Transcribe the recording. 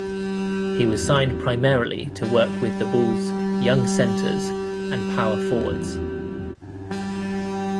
He was signed primarily to work with the Bulls' young centers and power forwards.